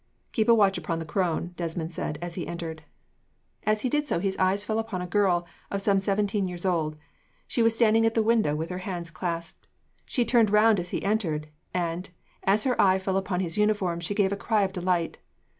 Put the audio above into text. "Keep a watch upon the crone," Desmond said, as he entered. As he did so, his eye fell upon a girl of some seventeen years old. She was standing at the window, with her hands clasped. She turned round as he entered, and, as her eye fell upon his uniform, she gave a cry of delight.